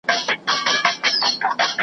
ورته پام سو پر سړک د څو هلکانو .